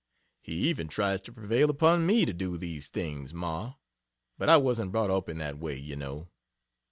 He even tries to prevail upon me to do these things, Ma, but I wasn't brought up in that way, you know.